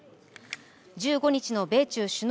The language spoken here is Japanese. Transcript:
１５日の米中首脳